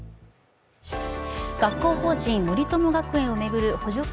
学校法人森友学園を巡る補助金